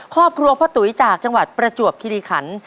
ครอบครัวพ่อตุ๋ยจากจังหวัดประจวบคิริขัน